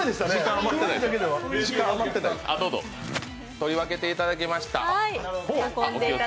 取り分けていただきました。